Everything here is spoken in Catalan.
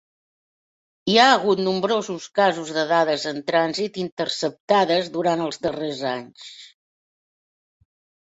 Hi ha hagut nombrosos casos de dades en trànsit interceptades durant els darrers anys.